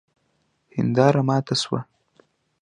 هنداره ماته سوه